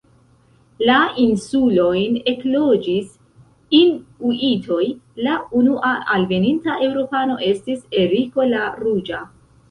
La insulojn ekloĝis inuitoj, la unua alveninta eŭropano estis Eriko la ruĝa.